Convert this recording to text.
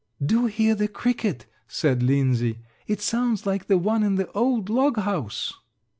"Do hear the cricket," said Linsey, "It sounds like the one in the old log house."